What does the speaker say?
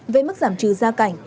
về mức giảm trừ gia cảnh